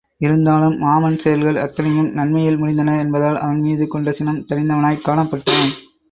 இருந்தாலும் மாமன் செயல்கள் அத்தனையும் நன்மையில் முடிந்தன என்பதால் அவன் மீது கொண்ட சினம் தணிந்தவனாய்க் காணப்பட்டான்.